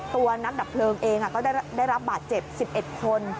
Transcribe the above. ตัวนักดับเพลิงเองก็ได้รับบาดเจ็บ๑๑คน